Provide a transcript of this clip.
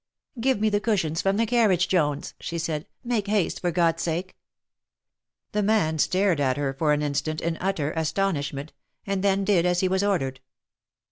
" Give me the cushions from the carriage, Jones," she said, " make haste, for God's sake !" The man stared at her for an instant in utter astonishment, and then did as he was ordered.